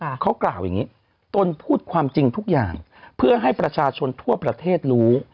เขากล่าวอย่างงี้ตนพูดความจริงทุกอย่างเพื่อให้ประชาชนทั่วประเทศรู้